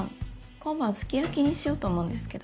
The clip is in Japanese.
今晩すき焼きにしようと思うんですけど。